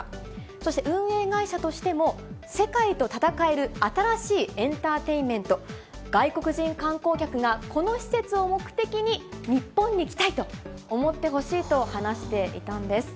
そして運営会社としても、世界と戦える新しいエンターテインメント、外国人観光客が、この施設を目的に、日本に来たいと思ってほしいと話していたんです。